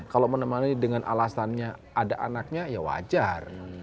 kalau menemani dengan alasannya ada anaknya ya wajar